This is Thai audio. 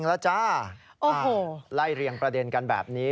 ไล่เรียงประเด็นกันแบบนี้